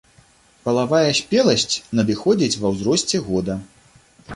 Палавая спеласць надыходзіць ва ўзросце года.